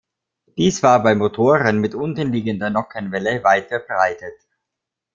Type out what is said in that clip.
Dies war bei Motoren mit untenliegender Nockenwelle weit verbreitet.